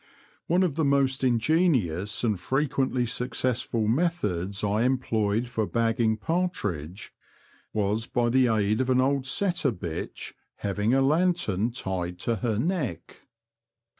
One of the most ingenious and frequently successful methods I employed for bagging 54 ^h^ Confessions of a T^oac/ier, partridge was by the aid of an old setter bitch having a lantern tied to 'her neck.